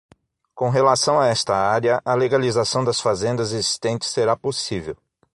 Com relação a esta área, a legalização das fazendas existentes será possível.